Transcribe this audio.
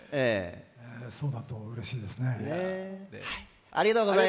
そうだったらうれしいですね。